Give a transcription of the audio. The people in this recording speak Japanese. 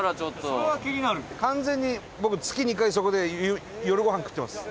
伊達：完全に、僕、月２回そこで夜ごはん食ってます。